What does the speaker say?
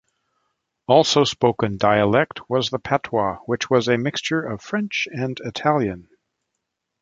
Also spoken dialect was the Patois, which was a mixture of French and Italian.